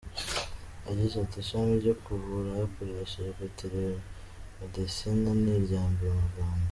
Yagize ati “Ishami ryo kuvura hakoreshejwe telemedicine ni irya mbere mu Rwanda.